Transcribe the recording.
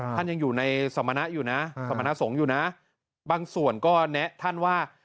ท่านยังอยู่ในสมณะอยู่นะสมณสงฆ์อยู่นะบางส่วนก็แนะท่านว่า